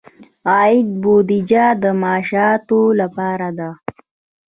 عادي بودجه د معاشاتو لپاره ده